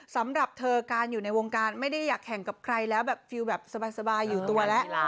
สำหรับเธอการอยู่ในวงการไม่ได้อยากแข่งกับใครแล้วแบบฟิลแบบสบายอยู่ตัวแล้ว